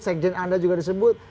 sekjen anda juga disebut